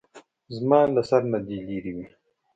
زما له سر نه دې لېرې وي.